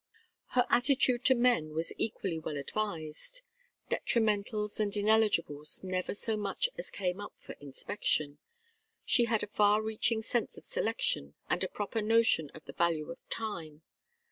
Her attitude to men was equally well advised. Detrimentals and ineligibles never so much as came up for inspection; she had a far reaching sense of selection and a proper notion of the value of time.